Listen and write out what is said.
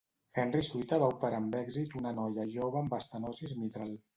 Henry Souttar va operar amb èxit una noia jove amb estenosis mitral.